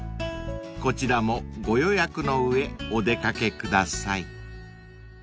［こちらもご予約の上お出掛けください］